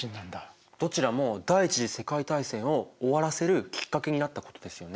どちらも第一次世界大戦を終わらせるきっかけになったことですよね。